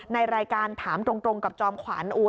ในรายการถามตรงกับจอมขวัญ